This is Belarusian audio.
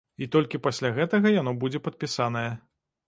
І толькі пасля гэтага яно будзе падпісанае.